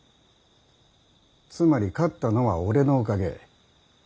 つまり勝ったのは俺のおかげ。